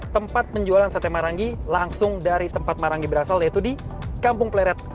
tempat penjualan sate marangi langsung dari tempat marangi berasal yaitu di kampung pleret